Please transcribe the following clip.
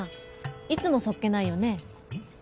いつも素っ気ないよね。